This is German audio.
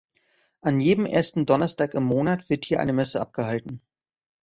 An jedem ersten Donnerstag im Monat wird hier eine Messe abgehalten.